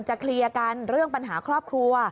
เคลียร์กันเรื่องปัญหาครอบครัว